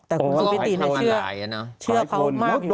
แต่คุณสุปิติเชื่อเขามากอยู่